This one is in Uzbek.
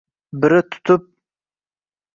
Biri tutib